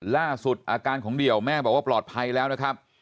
ล่าสุดอาการของเดี่ยวแม่บอกว่าปลอดภัยแล้วนะครับ